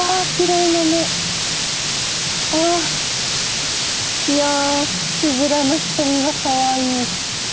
いやつぶらな瞳がかわいい。